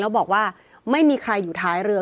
แล้วบอกว่าไม่มีใครอยู่ท้ายเรือ